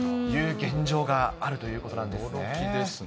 現状があるということなんで驚きですね。